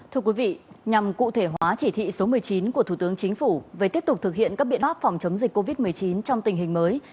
thưa quý vị nhằm cụ thể hóa chỉ thị số một mươi chín của thủ tướng chính phủ về tiếp tục thực hiện các biện pháp phòng chống dịch covid một mươi chín trong tình hình mới